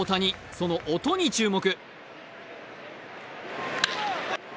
その音に注目。